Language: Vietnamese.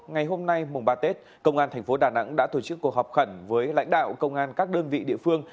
ngày hôm nay mùng ba tết công an thành phố đà nẵng đã tổ chức cuộc họp khẩn với lãnh đạo công an các đơn vị địa phương